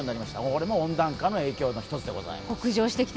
これも温暖化の影響の一つでございます。